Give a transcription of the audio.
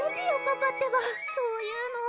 パパってばそういうの！